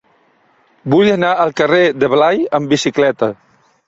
Vull anar al carrer de Blai amb bicicleta.